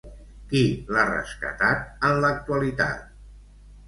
Qui l'ha rescatat en l'actualitat?